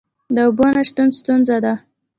د اوبو نشتون ستونزه ده؟